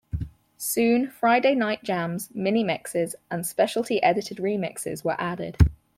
Soon Friday Night Jams, Mini Mixes and specialty edited remixes were added.